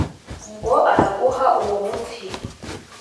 ngo araguha uwo muti!’